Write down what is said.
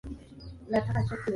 Mlangoni mwa mbinguni.